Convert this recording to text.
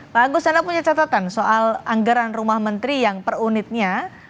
pak agus anda punya catatan soal anggaran rumah menteri yang per unitnya